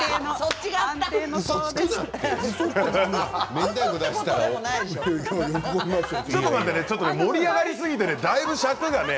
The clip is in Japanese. ちょっと待って盛り上がりすぎてだいぶ尺がね